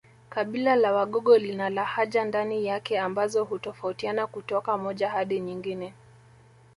Kabila la Wagogo lina lahaja ndani yake ambazo hutofautiana kutoka moja hadi nyingine